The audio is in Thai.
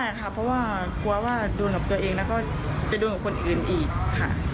ใช่ค่ะเพราะว่ากลัวว่าโดนกับตัวเองแล้วก็ไปโดนกับคนอื่นอีกค่ะ